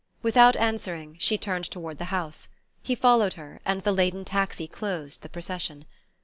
Without answering, she turned toward the house. He followed her, and the laden taxi closed the procession.